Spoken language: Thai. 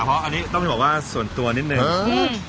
เพราะอันนี้ต้องบอกว่าส่วนตัวนิดนึง